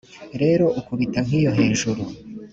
Rero ukubita nk’iyo hejuru